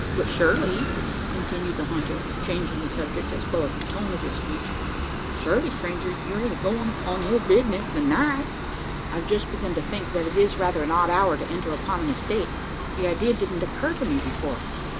But surely," continued the hunter, changing the subject, as well as the tone of his speech "surely, stranger, you ain't a goin' on your bisness the night?" "I've just begun to think, that it is rather an odd hour to enter upon an estate. The idea didn't occur to me before."